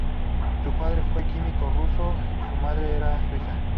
Su padre fue un químico ruso, su madre era suiza.